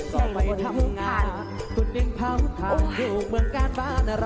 แห่งบนภูมิทาน